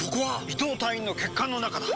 伊藤隊員の血管の中だ！